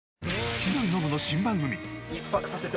千鳥ノブの新番組。